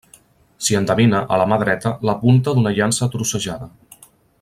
S'hi endevina, a la mà dreta, la punta d'una llança trossejada.